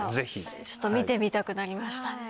ちょっと見てみたくなりましたね。